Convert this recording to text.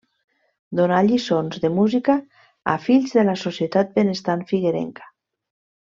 Donà lliçons de música a fills de la societat benestant figuerenca.